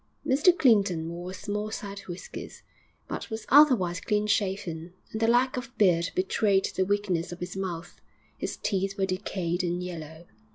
Mr Clinton wore small side whiskers, but was otherwise clean shaven, and the lack of beard betrayed the weakness of his mouth; his teeth were decayed and yellow.